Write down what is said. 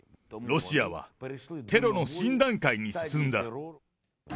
ロシアはテロの新段階に進んだ。